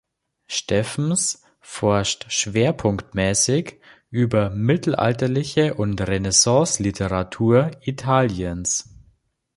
Stephens forscht schwerpunktmäßig über mittelalterliche und Renaissance-Literatur Italiens.